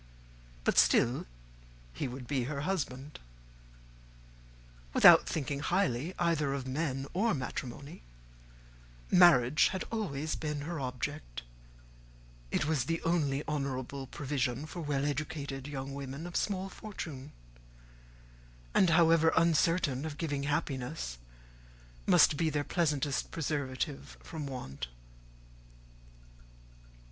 But still he would be her husband. Without thinking highly either of men or of matrimony, marriage had always been her object: it was the only honourable provision for well educated young women of small fortune, and, however uncertain of giving happiness, must be their pleasantest preservative from want.